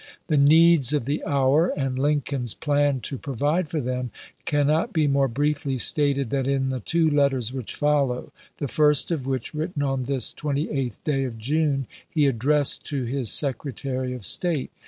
The needs of the hour, and Lincoln's plan to pro vide for them, cannot be more briefly stated than in the two letters which follow, the first of which, written on this 28th day of June, he addressed to his Secretary of State.